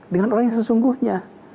dengan orang yang sesungguhnya